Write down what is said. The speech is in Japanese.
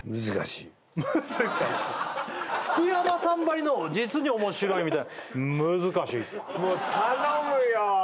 福山さんばりの「実に面白い」みたいな「難しい」もう頼むよ